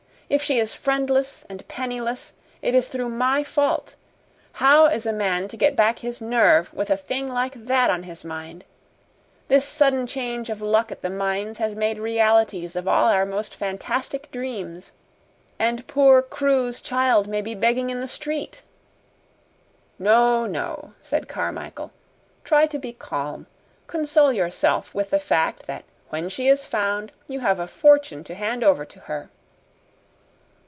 If she is friendless and penniless, it is through my fault. How is a man to get back his nerve with a thing like that on his mind? This sudden change of luck at the mines has made realities of all our most fantastic dreams, and poor Crewe's child may be begging in the street!" "No, no," said Carmichael. "Try to be calm. Console yourself with the fact that when she is found you have a fortune to hand over to her."